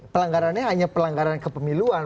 pelanggarannya hanya pelanggaran kepemiluan